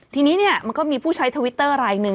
ทีนี้มันก็มีผู้ใช้ทวิตเตอร์ไลน์หนึ่ง